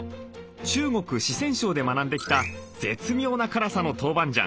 中国・四川省で学んできた絶妙な辛さの豆板醤。